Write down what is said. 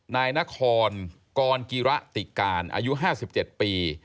นายนครกรกิระติการอายุ๕๗ปี